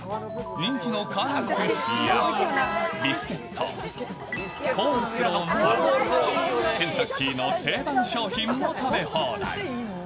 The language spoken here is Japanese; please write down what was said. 人気のカーネルクリスピーやビスケット、コールスローなど、ケンタッキーの定番商品も食べ放題。